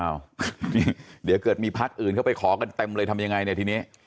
เดี๋ยวเกิดมีพักอื่นเข้าไปขอกันเต็มเลยทำยังไงเนี่ยทีนี้